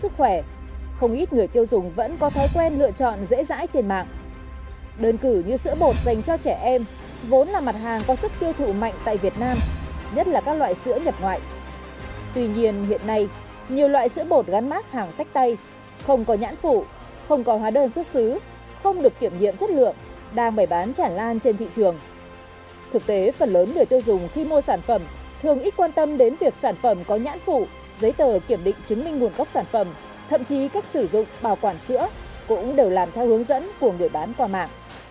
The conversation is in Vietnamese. thường ít quan tâm đến việc sản phẩm có nhãn phụ giấy tờ kiểm định chứng minh nguồn gốc sản phẩm thậm chí cách sử dụng bảo quản sữa cũng đều làm theo hướng dẫn của người bán qua mạng